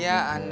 ya udah bang